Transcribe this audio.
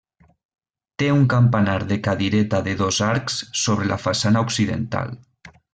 Té un campanar de cadireta de dos arcs sobre la façana occidental.